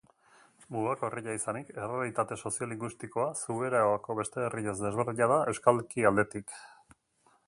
Mugako herria izanik, errealitate soziolinguistikoa Zuberoako beste herriez desberdina da euskalki aldetik.